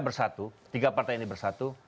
bersatu tiga partai ini bersatu